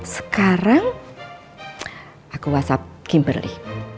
sekarang aku whatsapp kimberly